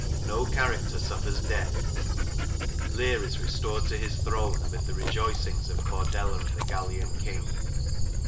No character suffers death. Leir is restored to his throne amid the rejoicings of Cordelia and the Gallian King.